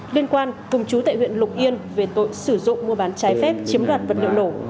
liên quan cùng chú tại huyện lục yên về tội sử dụng mua bán trái phép chiếm đoạt vật liệu nổ